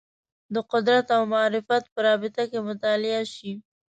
د قدرت او معرفت په رابطه کې مطالعه شي